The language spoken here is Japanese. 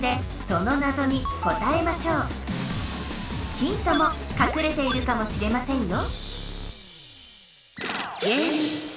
ヒントもかくれているかもしれませんよ